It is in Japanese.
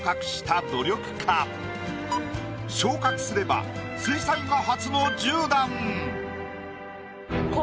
昇格すれば水彩画初の１０段。